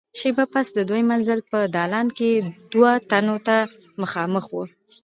شېبه پس د دويم منزل په دالان کې دوو تنو ته مخامخ وو.